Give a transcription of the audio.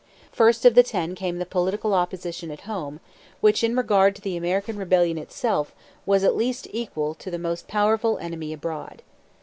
First of the ten came the political opposition at home, which, in regard to the American rebellion itself, was at least equal to the most powerful enemy abroad.